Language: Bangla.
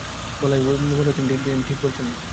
বলেই মনে হল হয়তো তিনি ঠিক বলছেন না।